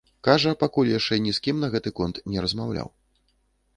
Кажа, пакуль яшчэ ні з кім на гэты конт не размаўляў.